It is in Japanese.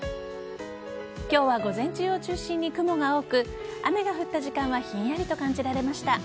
今日は午前中を中心に雲が多く雨が降った時間はひんやりと感じられました。